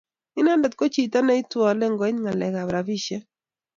Inendet koo chito neitwale koit ngaleg kap rabishiek.